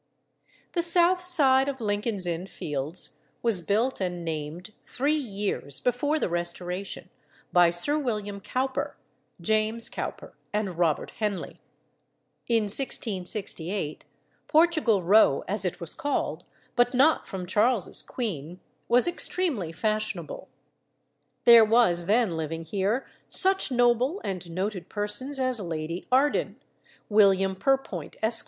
The south side of Lincoln's Inn Fields was built and named three years before the Restoration, by Sir William Cowper, James Cowper, and Robert Henley. In 1668 Portugal Row, as it was called, but not from Charles's queen, was extremely fashionable. There were then living here such noble and noted persons as Lady Arden, William Perpoint, Esq.